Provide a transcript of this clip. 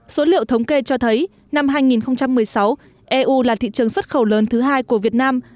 số liệu thống kê cho thấy năm hai nghìn một mươi sáu eu là thị trường xuất khẩu lớn thứ hai của việt nam